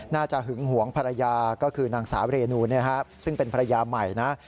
หึงหวงภรรยาก็คือนางสาวเรนูซึ่งเป็นภรรยาใหม่นะ